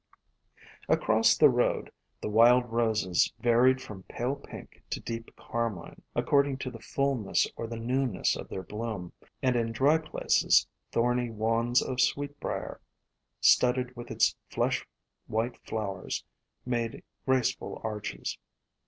Across the road the Wild Roses varied from pale pink to deep car mine, according to the fulness or the newness of their bloom, and in dry places thorny wands of Sweet briar, studded with its flesh white flowers, made grace ful arches.